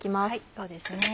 そうですね。